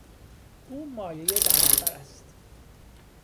او مایهی دردسر است.